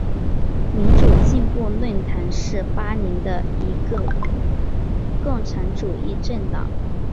民主进步论坛是巴林的一个共产主义政党。